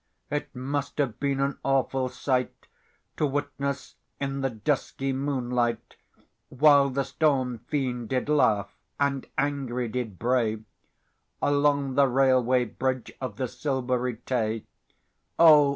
It must have been an awful sight, To witness in the dusky moonlight, While the Storm Fiend did laugh, and angry did bray, Along the Railway Bridge of the Silv'ry Tay, Oh!